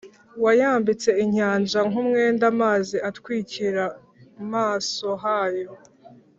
Wayambitse inyanja nk umwenda Amazi atwikira mu mas ohayo